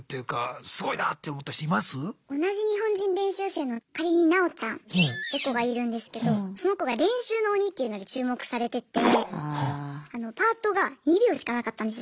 同じ日本人練習生の仮になおちゃんって子がいるんですけどその子が「練習の鬼」っていうので注目されててパートが２秒しかなかったんですよ